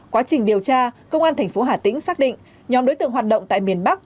quá trình điều tra công an tp hà tĩnh xác định nhóm đối tượng hoạt động tại miền bắc